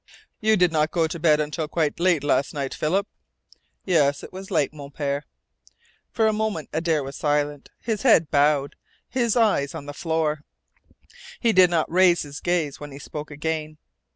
"You did not go to bed until quite late last night, Philip?" "Yes, it was late, Mon Pere." For a moment Adare was silent, his head bowed, his eyes on the floor. He did not raise his gaze when he spoke again.